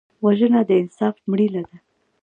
وژنه د انصاف مړینه ده